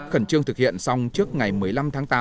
khẩn trương thực hiện xong trước ngày một mươi năm tháng tám